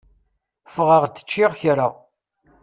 Ffɣeɣ-d ččiɣ kra.